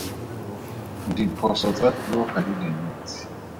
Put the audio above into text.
Diphoso tsa puo ga di dintsi.